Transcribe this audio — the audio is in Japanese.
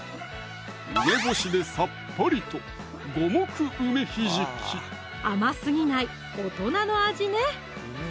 梅干しでさっぱりと甘すぎない大人の味ね